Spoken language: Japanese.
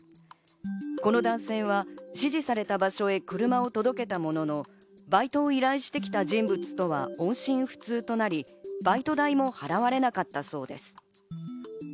この男性は指示された場所へ車を届けたものの、バイトを依頼してきた人物とは音信不通となり、バイト代も払われなかったそうです。